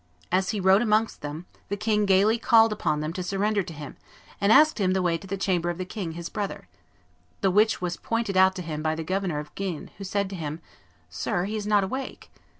As he rode amongst them, the king gayly called upon them to surrender to him, and asked them the way to the chamber of the king his brother, the which was pointed out to him by the governor of Guines, who said to him, 'Sir, he is not awake.